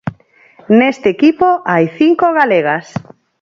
Neste equipo hai cinco galegas.